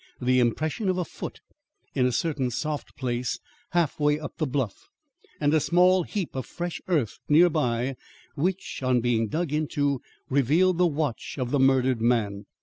The impression of a foot in a certain soft place halfway up the bluff; and a small heap of fresh earth nearby which, on being dug into, revealed the watch of the murdered man.